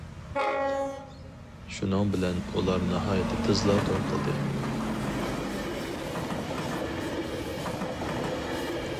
شۇنىڭ بىلەن ئۇلار ناھايىتى تېزلا توي قىلدى.